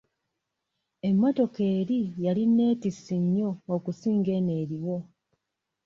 Emmotoka eri yali neetissi nnyo okusinga eno eriwo.